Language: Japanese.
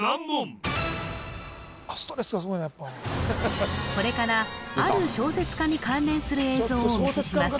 ストレスがすごいねやっぱこれからある小説家に関連する映像をお見せします